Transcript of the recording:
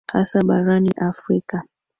hasa barani afrika